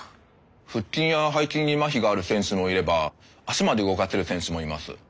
腹筋や背筋にまひがある選手もいれば足まで動かせる選手もいます。